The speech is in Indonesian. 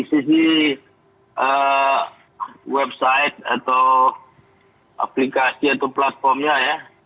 sisi website atau aplikasi atau platformnya ya